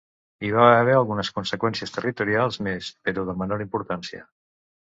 Hi va haver algunes conseqüències territorials més, però de menor importància.